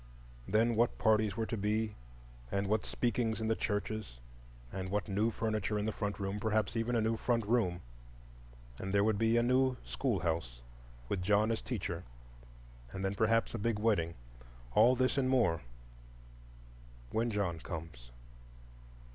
Then what parties were to be, and what speakings in the churches; what new furniture in the front room,—perhaps even a new front room; and there would be a new schoolhouse, with John as teacher; and then perhaps a big wedding; all this and more—when John comes.